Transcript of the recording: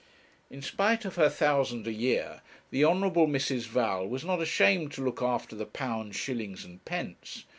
In spite of her thousand a year the Honourable Mrs. Val was not ashamed to look after the pounds, shillings, and pence.